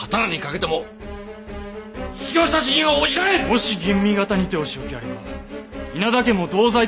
もし吟味方にてお仕置きあれば稲田家も同罪となりますが。